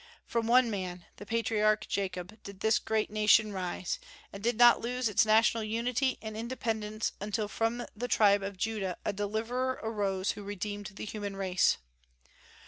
From one man the patriarch Jacob did this great nation rise, and did not lose its national unity and independence until from the tribe of Judah a deliverer arose who redeemed the human race.